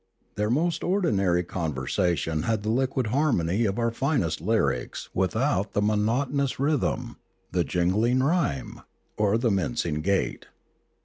Their most ordinary conversation had the liquid har mony of our finest lyrics without the monotonous rhythm, the jingling rhyme, or the mincing gait.